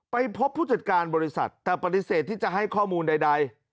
ไปพบผู้จัดการบริษัทแต่ปฏิเสธที่จะให้ข้อมูลใด